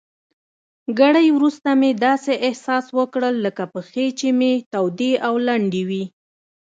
ګړی وروسته مې داسې احساس وکړل لکه پښې چي مې تودې او لندې وي.